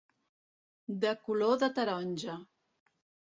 De color de taronja.